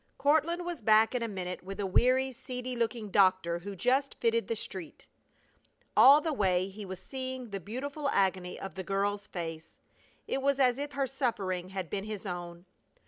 Courtland was back in a minute with a weary, seedy looking doctor who just fitted the street. All the way he was seeing the beautiful agony of the girl's face. It was as if her suffering had been his own.